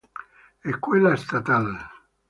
Escuela estatal.